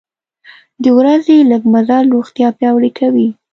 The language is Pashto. د ورځې لږه مزل روغتیا پیاوړې کوي.